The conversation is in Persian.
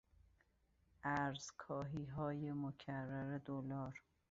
ارزکاهیهای مکرر دلار